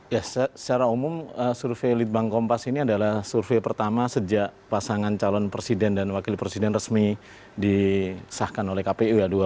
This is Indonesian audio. ya secara umum survei litbang kompas ini adalah survei pertama sejak pasangan calon presiden dan wakil presiden resmi disahkan oleh kpu ya